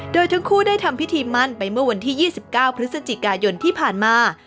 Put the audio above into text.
โดยทั้งคู่ได้ทำพิธีมั่นไปเมื่อวันที่๒๙พฤศจิกายนที่ผ่านมา